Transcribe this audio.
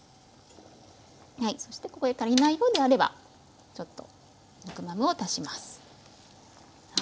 そしてここで足りないようであればちょっとヌクマムを足します。